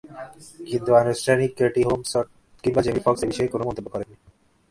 কিন্তু আনুষ্ঠানিকভাবে Katie Holmes কিংবা জেমি ফক্স এ বিষয়ে কোনো মন্তব্য করেননি।